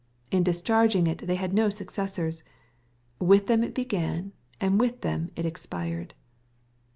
In discharging it they had no successors. With them it began, and with them it ex« pired.